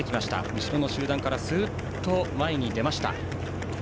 後ろの集団からすっと前に出ました。